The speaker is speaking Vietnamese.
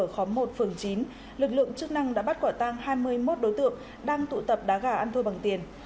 thua bằng tiền lực lượng chức năng đã bắt quả tang hai mươi một đối tượng đang tụ tập đá gà ăn thua bằng tiền